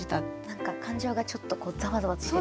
何か感情がちょっとザワザワしてる。